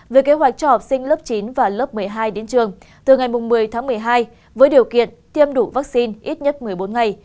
về kế hoạch cho học sinh lớp chín và lớp một mươi hai đến trường từ ngày một mươi tháng một mươi hai với điều kiện tiêm đủ vaccine ít nhất một mươi bốn ngày